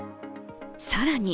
更に